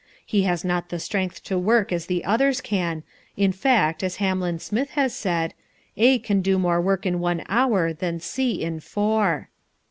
He has not the strength to work as the others can, in fact, as Hamlin Smith has said, "A can do more work in one hour than C in four."